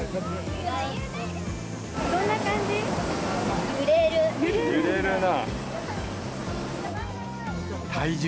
どんな感じ？